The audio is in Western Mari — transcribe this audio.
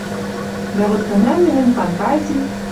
Дӓ вот тӹнӓм мӹньӹн фантази